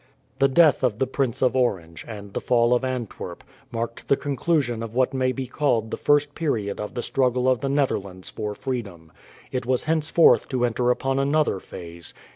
The death of the Prince of Orange, and the fall of Antwerp, marked the conclusion of what may be called the first period of the struggle of the Netherlands for freedom. It was henceforth to enter upon another phase.